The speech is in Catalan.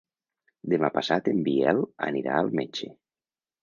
Demà passat en Biel anirà al metge.